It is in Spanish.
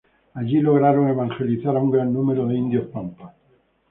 Allí lograron evangelizar a un gran número de indios pampas.